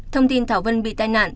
thông tin thảo vân bị tai nạn